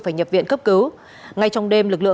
phải nhập viện khỏi nhà